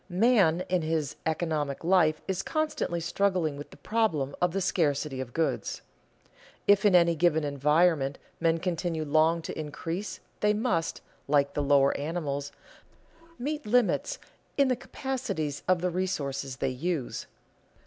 _ Man in his economic life is constantly struggling with the problem of the scarcity of goods. If in any given environment men continue long to increase, they must, like the lower animals, meet limits in the capacities of the resources they use.